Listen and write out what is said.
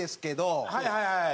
はいはいはいはい。